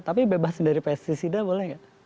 tapi bebas dari pesticida boleh nggak